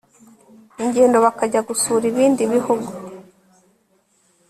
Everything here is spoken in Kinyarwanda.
ingendo bakajya gusura ibindi bihugu